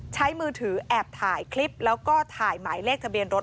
มือถือแอบถ่ายคลิปแล้วก็ถ่ายหมายเลขทะเบียนรถ